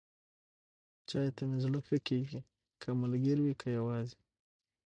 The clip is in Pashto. چای ته مې زړه ښه کېږي، که ملګری وي، که یواځې.